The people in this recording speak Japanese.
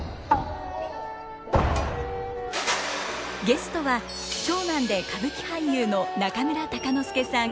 ゲストは長男で歌舞伎俳優の中村鷹之資さん。